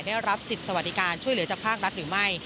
ได้รับสิทธิ์สวัสดิการช่วยเหลือจากภาครัฐหรือไม่